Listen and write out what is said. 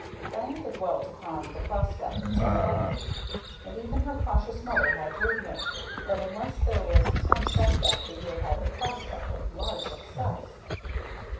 Diantha dwelt upon the prospect at some length; and even her cautious mother had to admit that unless there was some setback the year had a prospect of large success.